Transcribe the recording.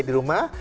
dia di rumah